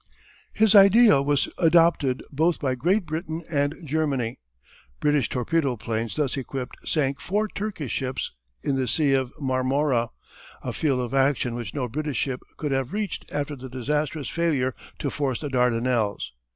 His idea was adopted both by Great Britain and Germany. British torpedo planes thus equipped sank four Turkish ships in the Sea of Marmora, a field of action which no British ship could have reached after the disastrous failure to force the Dardanelles.